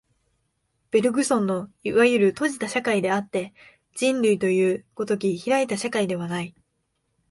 ベルグソンのいわゆる閉じた社会であって、人類というが如き開いた社会ではない。